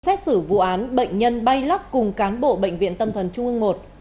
xét xử vụ án bệnh nhân bay lắc cùng cán bộ bệnh viện tâm thần trung ương i